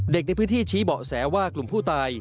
เด็กในพื้นที่ชี้เบาะแสว่ากลุ่มผู้ตาย